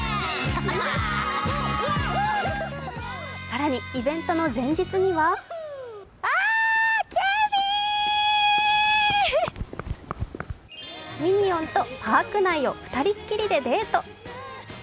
更に、イベントの前日にはミニオンとパーク内を２人きりでデート。